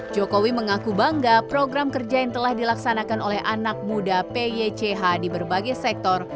jokowi mengaku bangga program kerja yang telah dilaksanakan oleh anak muda pych di berbagai sektor